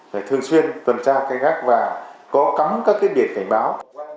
phải thường xuyên tuần tra canh gác và có cắm các cái biển cảnh báo